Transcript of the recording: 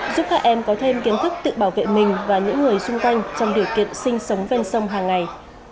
giúp các em có thêm kiến thức tự bảo vệ mình và những người xung quanh trong điều kiện sinh sống ven sông hàng ngày